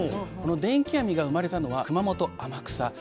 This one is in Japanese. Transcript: この電気網が生まれたのは熊本・天草。